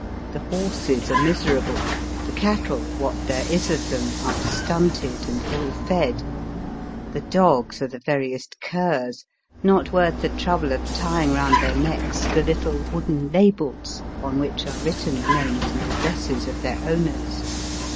The horses are miserable ; VOL. I. 18 Digitized by VjOOQ IC 274 BAST BY WEST. the cattle — ^what there is of them — are stunted and ill fed ; the dogs are the veriest curs, not worth the trouble of tying round their necks the little wooden labels on which are written the names and addresses of their owners.